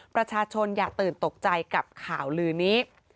ประชาชนอย่าตื่นตกใจกับข่าวลือนี้